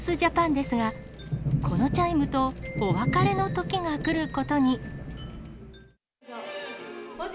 ですが、このチャイムとお別れのときが来ることに。